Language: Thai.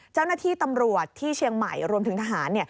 เจ้าหน้าที่ตำรวจที่เชียงใหม่รวมถึงทหาร